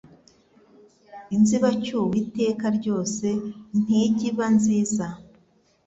Inzibacyuho Iteka ryose ntijy iba nziza